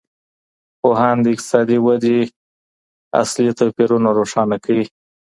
پوهان د اقتصادي ودي اصلي توپيرونه روښانه کوي.